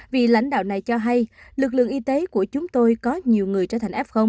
vị lãnh đạo này cho hay lực lượng y tế của chúng tôi có nhiều người trở thành f